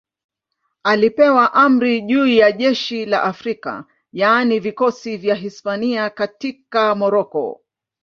Alipewa amri juu ya jeshi la Afrika, yaani vikosi vya Hispania katika Moroko.